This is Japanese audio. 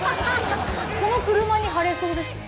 この車に張れそうですよ